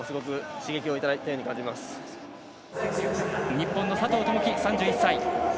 日本の佐藤友祈３１歳。